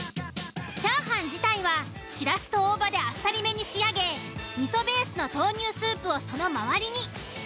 チャーハン自体はしらすと大葉であっさりめに仕上げ味噌ベースの豆乳スープをその周りに。